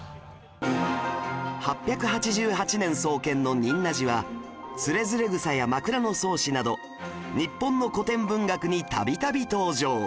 ８８８年創建の仁和寺は『徒然草』や『枕草子』など日本の古典文学に度々登場